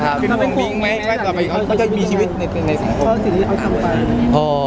ก็จะไม่มีชีวิตในสังคม